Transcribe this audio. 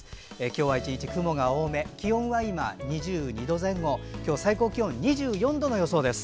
今日は一日雲が多め気温は２２度前後今日、最高気温２４度の予想です。